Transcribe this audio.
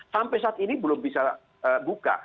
sampai saat ini belum bisa buka